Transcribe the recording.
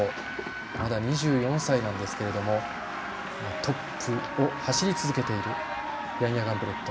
まだ２４歳なんですけれどもトップを走り続けているヤンヤ・ガンブレット。